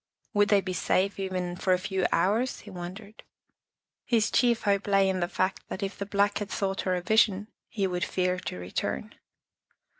Would they be safe even for a few hours, he wondered? His chief hope lay in the fact that if the Black had thought her a vision, he would fear to return.